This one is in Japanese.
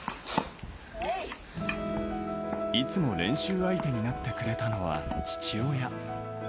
いつも練習相手になってくれたのは父親。